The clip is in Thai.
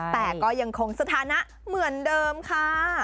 แต่ก็ยังคงสถานะเหมือนเดิมค่ะ